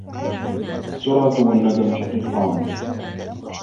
السرعة والندم شقيقان.